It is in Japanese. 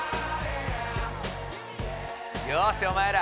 よしお前ら！